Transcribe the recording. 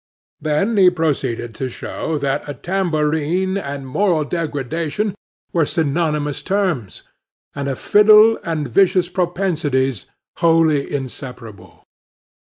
Then he proceeded to show that a tambourine and moral degradation were synonymous terms, and a fiddle and vicious propensities wholly inseparable.